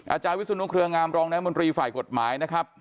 อาจารย์วิศนุเครืองามรองน้ำมนตรีฝ่ายกฎหมายนะครับ